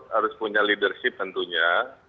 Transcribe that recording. jadi harus punya leadership tentunya